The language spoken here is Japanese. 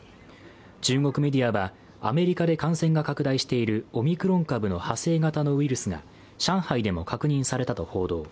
中国メディアはアメリカで感染が拡大しているオミクロン株の派生型のウイルスが上海でも確認されたと報道。